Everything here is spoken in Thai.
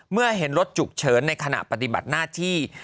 เมื่อเห็นรถฉุกเฉินในขณะปฏิบัติหน้าที่